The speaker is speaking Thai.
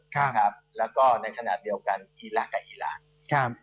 ครับครับแล้วก็ในขณะเดียวกันอีลักษณ์กับอีลักษณ์ครับ